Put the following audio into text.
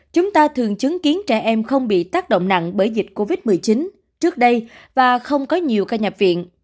chúng ta thường chứng kiến trẻ em không bị tác động nặng bởi dịch covid một mươi chín trước đây và không có nhiều ca nhập viện